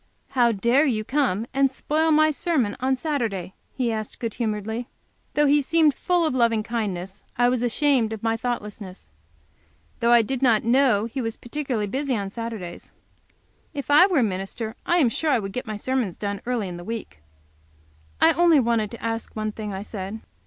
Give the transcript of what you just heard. "How dare you come and spoil my sermon on Saturday?" he asked, good humoredly. Though he seemed full of loving kindness, I was ashamed of my thoughtlessness. Though I did not know he was particularly busy on Saturdays. If I were a minister I am sure I would get my sermons done early in the week. "I only wanted to ask one thing," I said.